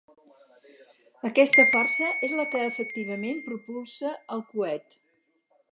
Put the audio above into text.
Aquesta força és la que efectivament propulsa el coet.